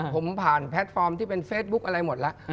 ผมผ่านแพลตฟอร์มที่เป็นเฟซบุ๊คอะไรหมดแล้ว